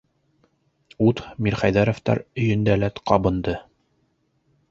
Ут Мирхәйҙәровтар өйөндә лә ҡабынды.